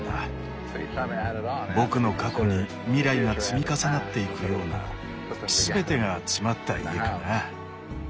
僕の過去に未来が積み重なっていくような全てが詰まった家かな。